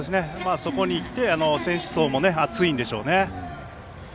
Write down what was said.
そこにきて選手層も厚いんでしょうね。